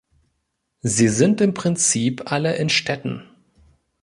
Sie sind im Prinzip alle in Städten.